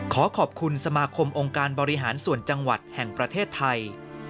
ขอขอบคุณสมาคมองค์การบริหารส่วนจังหวัดแห่งประเทศไทย